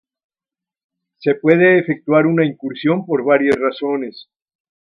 Se puede efectuar una incursión por varias razones.